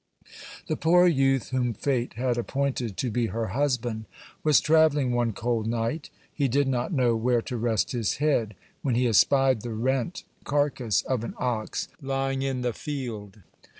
The poor youth whom fate had appointed to be her husband was travelling one cold night. He did not know where to rest his head, when he espied the rent carcass of an ox lying in the field.